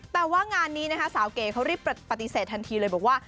แต่ว่างานนี้นะคะสาวเก๋เขารีบปฏิเสธทันทีเลยบอกว่า